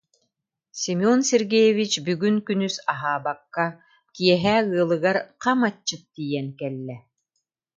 Семен Сергеевич бүгүн күнүс аһаабакка, киэһэ ыалыгар хам аччык тиийэн кэллэ